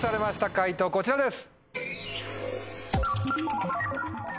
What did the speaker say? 解答こちらです。